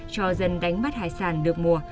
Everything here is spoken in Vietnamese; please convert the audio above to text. cho dân đánh bắt hải sản được mùa